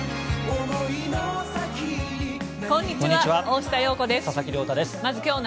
こんにちは。